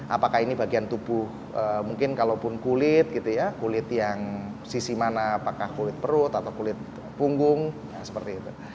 apakah ini bagian tubuh mungkin kalaupun kulit gitu ya kulit yang sisi mana apakah kulit perut atau kulit punggung seperti itu